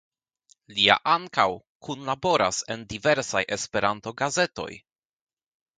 Lia ankaŭ kunlaboras en diversaj Esperanto-gazetoj.